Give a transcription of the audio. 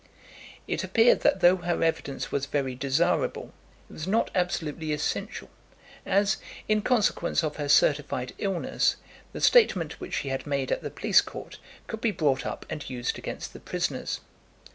It appeared that though her evidence was very desirable it was not absolutely essential, as, in consequence of her certified illness, the statement which she had made at the police court could be brought up and used against the prisoners.